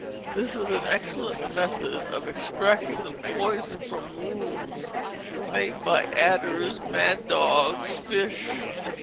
This is an excellent method of extracting the poison from wounds made by adders, mad dogs, fish, &c.